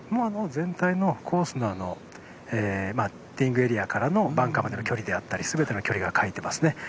全体のコースのティーイングエリアからバンカーまでの距離だったり全ての距離が書いてありますね。